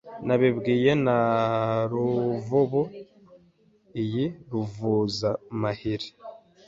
Nabibwiwe na Ruvubu iyi Ruvuzamahiri